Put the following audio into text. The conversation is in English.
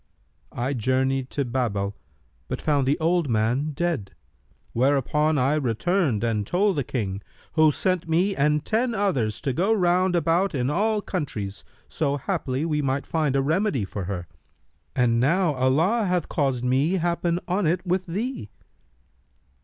I journeyed to Babel, but found the old man dead; whereupon I returned and told the King, who sent me and ten others to go round about in all countries, so haply we might find a remedy for her: and now Allah hath caused me happen on it with thee.'